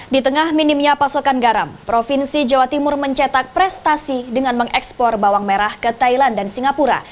di tengah minimnya pasokan garam provinsi jawa timur mencetak prestasi dengan mengekspor bawang merah ke thailand dan singapura